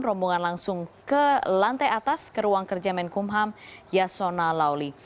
rombongan langsung ke lantai atas ke ruang kerja kementerian hukum dan ham yasona lawli